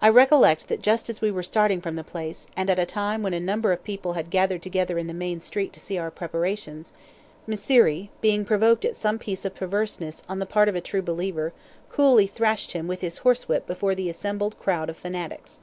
I recollect that just as we were starting from the place, and at a time when a number of people had gathered together in the main street to see our preparations, Mysseri, being provoked at some piece of perverseness on the part of a true believer, coolly thrashed him with his horsewhip before the assembled crowd of fanatics.